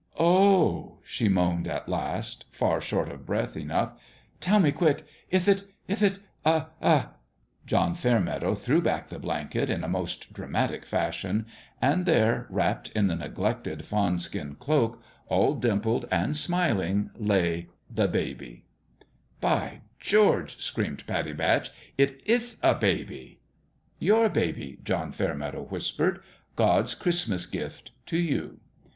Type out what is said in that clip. " Oh," she moaned, at last, far short of breath enough, " tell me quick : ith it ith it a John Fairmeadow threw back the blanket in a most dramatic fashion ; and there, wrapped in the neglected fawn skin cloak, all dimpled and smiling, lay THE BABY 1 CHRISTMAS El/E at SWAMP'S END in " By George !" screamed Pattie Batch ;" it ith a baby 1 " "Your baby," John Fairmeadow whispered. " God's Christmas gift to you."